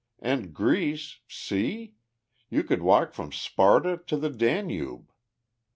And Greece see! you could walk from Sparta to the Danube.